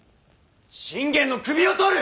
信玄の首を取る！